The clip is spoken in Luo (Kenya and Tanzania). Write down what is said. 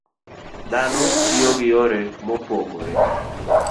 Dhano tiyo gi yore mopog